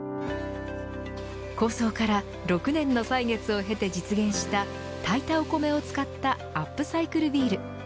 構想から６年の歳月を経て実現した炊いたお米を使ったアップサイクルビール。